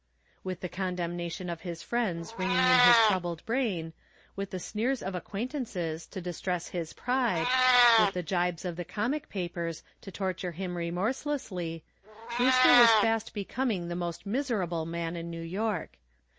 With the condemnation of his friends ringing in his troubled brain, with the sneers of acquaintances to distress his pride, with the jibes of the comic papers to torture him remorselessly, Brewster was fast becoming the most miserable man in New York.